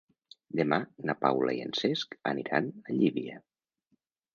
Demà na Paula i en Cesc aniran a Llívia.